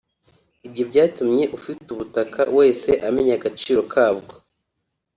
Ibyo byatumye ufite ubutaka wese amenya agaciro kabwo